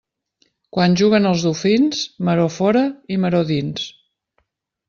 Quan juguen els dofins, maror fora i maror dins.